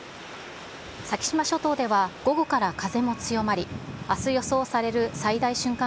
先島諸島では午後から風も強まり、あす予想される最大瞬間